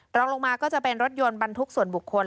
รองลงมาก็จะเป็นรถยนต์บรรทุกส่วนบุคคล